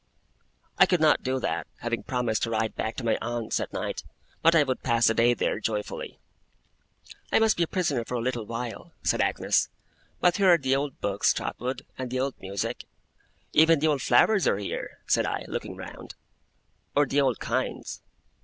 I could not do that, having promised to ride back to my aunt's at night; but I would pass the day there, joyfully. 'I must be a prisoner for a little while,' said Agnes, 'but here are the old books, Trotwood, and the old music.' 'Even the old flowers are here,' said I, looking round; 'or the old kinds.